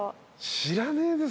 知らねえです。